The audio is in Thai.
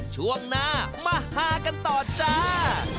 ช่วงหน้ามาฮากันต่อจ้า